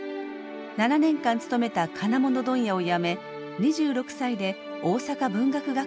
７年間勤めた金物問屋を辞め２６歳で大阪文学学校に入学。